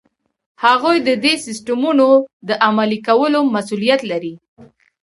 هغوی ددې سیسټمونو د عملي کولو مسؤلیت لري.